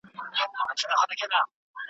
اوس یې مخ ته سمندر دی غوړېدلی .